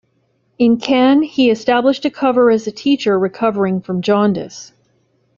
In Cannes he established a cover as a teacher recovering from jaundice.